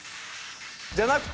じゃなくて。